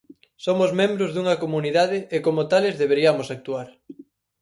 Somos membros dunha comunidade e como tales deberiamos actuar.